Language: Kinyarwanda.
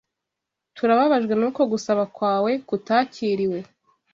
Turababajwe nuko gusaba kwawe kutakiriwe.